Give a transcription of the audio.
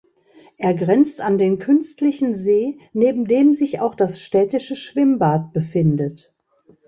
Er grenzt an den künstlichen See, neben dem sich auch das städtische Schwimmbad befindet.